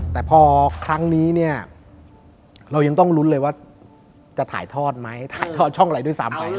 แต่พอครั้งนี้เนี่ยเรายังต้องลุ้นเลยว่าจะถ่ายทอดไหมถ่ายทอดช่องอะไรด้วยซ้ำไป